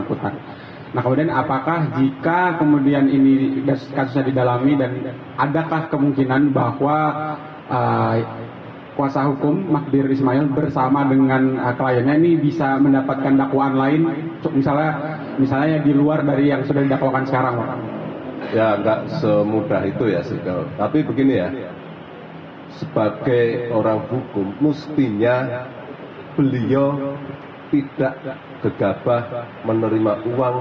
kita perlu menggunakan uang